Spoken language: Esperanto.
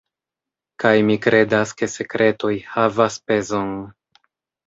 Kaj mi kredas ke sekretoj havas pezon.